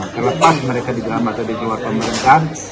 terlepas mereka di dalam atau di luar pemerintahan